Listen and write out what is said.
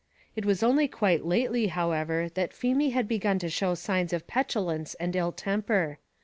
It was only quite lately, however, that Feemy had begun to show signs of petulance and ill temper.